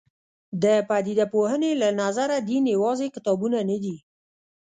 د پدیده پوهنې له نظره دین یوازې کتابونه نه دي.